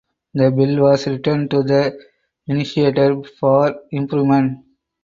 The bill was returned to the initiator for improvement.